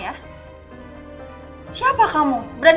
yang bahkan kelompokan